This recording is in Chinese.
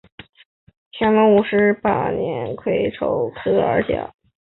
乾隆五十八年癸丑科二甲。